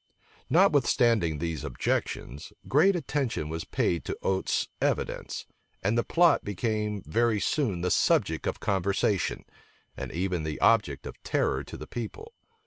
Notwithstanding these objections, great attention was paid to Oates's evidence, and the plot became very soon the subject of conversation, and even the object of terror to the people.